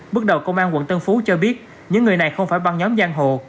bước đầu công an quận tân phú cho biết những người này không phải băng nhóm giang hồ